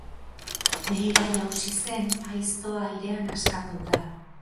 Behera jausi zen, aiztoa airean askatuta.